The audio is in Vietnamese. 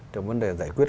trong vấn đề giải quyết